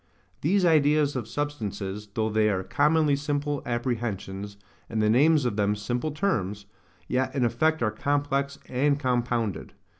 These ideas of substances, though they are commonly simple apprehensions, and the names of them simple terms, yet in effect are complex and compounded.